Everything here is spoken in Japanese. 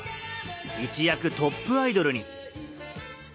一躍トップアイドルに。